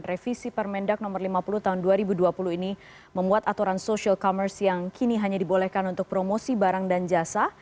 revisi permendak no lima puluh tahun dua ribu dua puluh ini membuat aturan social commerce yang kini hanya dibolehkan untuk promosi barang dan jasa